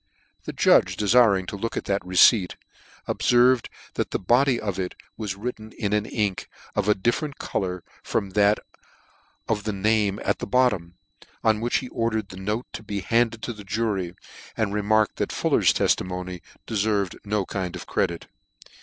The judge defiring to look at that receipt, ob ferved that the body of it was written with an ink of a different colour from that of the name at the bottom : on which he ordered the note to be handed to the jury, and remarked that Fuller's teftimony cleferved no kind of credit.